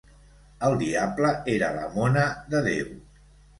El diable era la mona de Déu.